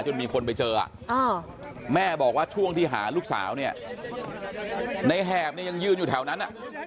มีคนไปเจอแม่บอกว่าช่วงที่หาลูกสาวเนี่ยในแหบเนี่ยยังยืนอยู่แถวนั้น